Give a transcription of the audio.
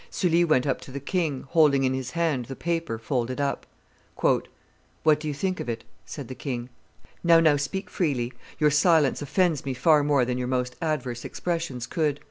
Sully went up to the king, holding in his hand the paper folded up. "What do you think of it?" said the king. "Now, now, speak freely; your silence offends me far more than your most adverse expressions could.